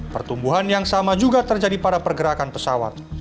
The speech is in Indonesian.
pertumbuhan yang sama juga terjadi pada pergerakan pesawat